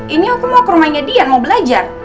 ini aku mau ke rumahnya dian mau belajar